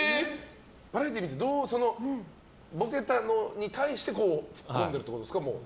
バラエティーボケたのに対してツッコんでるってことですか。